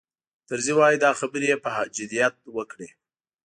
طرزي وایي دا خبرې یې په جدیت وکړې.